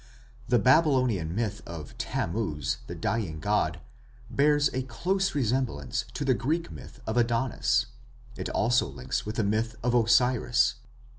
The Babylonian myth of Tammuz, the dying god, bears a close resemblance to the Greek myth of Adonis. It also links with the myth of Osiris.